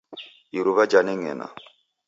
Iruw'a janeng'ena.